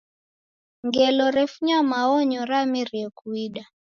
Ngelo refunya maonyo ramerie kuida.